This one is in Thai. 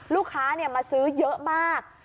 ลูกค้ามาซื้อเยอะมาก